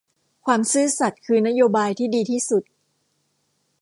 ความซื่อสัตย์คือนโบายที่ดีที่สุด